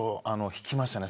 ひきましたね